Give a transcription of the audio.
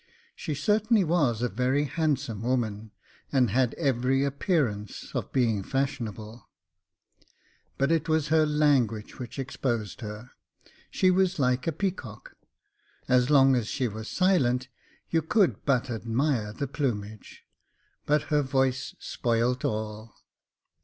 She certainly v/as Jacob Faithful 137 a very handsome woman, and had every appearance of * being fashionable ; but it was her language which exposed her. She was like the peacock. As long as she was silent you could but admire the plumage, but her voice spoilt all.